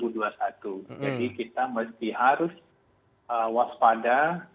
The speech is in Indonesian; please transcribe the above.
jadi kita mesti harus waspada